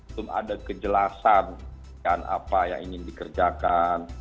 itu ada kejelasan yang apa yang ingin dikerjakan